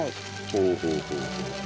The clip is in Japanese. ほうほうほうほう。